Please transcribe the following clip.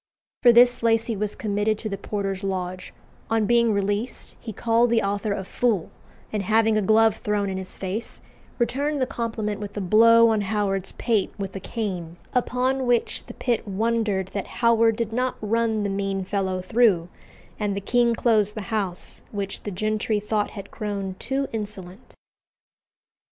For this Lacy was committed to the porter's lodge; on being released, he called the author a fool, and having a glove thrown in his face, returned the compliment with a blow on Howard's pate with a cane; upon which the pit wondered that Howard did not run the mean fellow through; and the king closed the house, which the gentry thought had grown too insolent.